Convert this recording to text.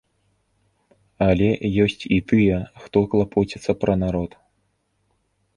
Але ёсць і тыя, хто клапоціцца пра народ.